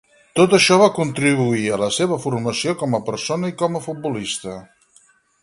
Tot això va contribuir a la seva formació com a persona i com a futbolista.